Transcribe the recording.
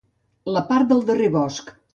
La part del darrer del bosc.